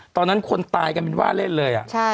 ตอนนั้นคนตายกันเป็นว่าเล่นเลย